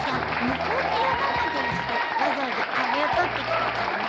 向こうの山まで行ってわざわざあれを採ってきたからね。